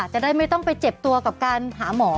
จะได้ไม่ต้องไปเจ็บตัวกับการหาหมอ